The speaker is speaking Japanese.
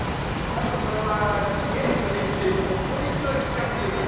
多分これはゲームの一種というか教育の一環というか。